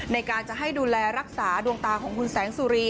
ในการจะให้ดูแลรักษาดวงตาของคุณแสงสุรี